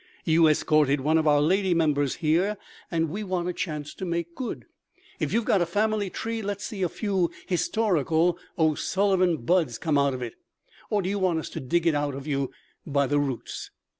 You escorted one of our lady members here, and we want a chance to make good. If you've got a family tree let's see a few historical O'Sullivan buds come out on it. Or do you want us to dig it out of you by the roots?"